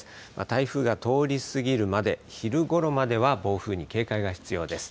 台風が通り過ぎるまで昼ごろまでは暴風に警戒が必要です。